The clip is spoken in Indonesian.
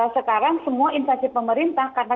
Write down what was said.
sekarang semua instansi pemerintah karena